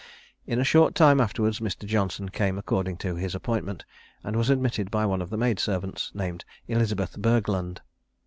In a short time afterwards Mr. Johnson came according to his appointment, and was admitted by one of the maid servants, named Elizabeth Burgeland.